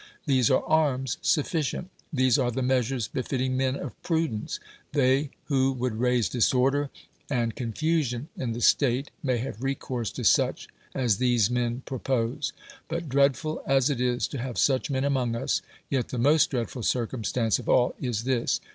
These are arms sufficient; these are the measures befitting men of prudence: they who wuuld raise disorder and .128 DEMOSTHENES confusion in the state may have recourse to such as these men propose. But dreadful as it is to have such men among us, yet the most dreadful circumstance of all is this.